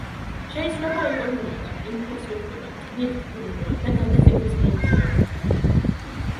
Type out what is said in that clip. შეიცვლება ეკონომიკა, ინფრასტრუქტურა, ტვირთბრუნვა და გადაზიდვის პრინციპები.